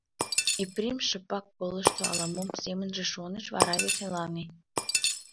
Епрем шыпак колышто, ала-мом семынже шоныш, вара веселаҥе.